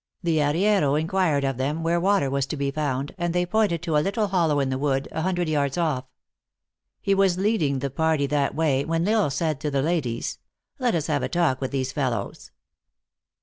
The arriero inquired of them where water was to be found, and they pointed to a little hollow in the wood, an hun dred yards off. He was leading the party that way, when L Isle said to the ladies, " let us have a talk with these fellows."